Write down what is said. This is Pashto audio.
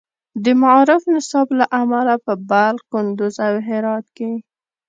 د معارف نصاب له امله په بلخ، کندز، او هرات کې